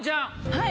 はい。